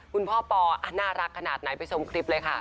พ่อปอน่ารักขนาดไหนไปชมคลิปเลยค่ะ